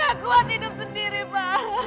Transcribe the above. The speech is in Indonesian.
aku mau hidup sendiri ma